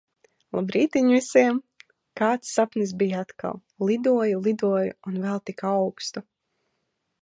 Labrītiņ visiem! Kāds sapnis bija atkal! Lidoju, lidoju un vēl tik augstu.